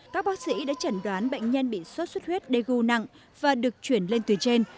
các bác sĩ đã chẩn đoán bệnh nhân bị sốt xuất huyết đê gu nặng và được chuyển lên tùy trên